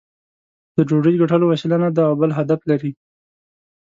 د ډوډۍ ګټلو وسیله نه ده او بل هدف لري.